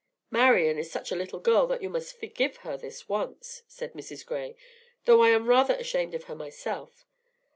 "Marian is such a little girl that you must forgive her this once," said Mrs. Gray, "though I am rather ashamed of her myself.